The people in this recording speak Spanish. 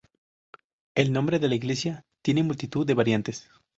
El nombre de la iglesia tiene multitud de variantes.